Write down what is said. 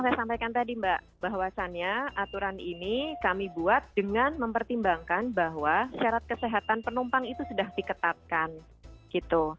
saya sampaikan tadi mbak bahwasannya aturan ini kami buat dengan mempertimbangkan bahwa syarat kesehatan penumpang itu sudah diketatkan gitu